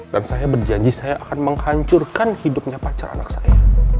dan saya berjanji saya akan menghancurkan hidupnya pacar anak saya